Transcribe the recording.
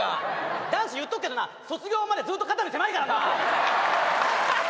男子言っとくけどな卒業までずっと肩身狭いからな。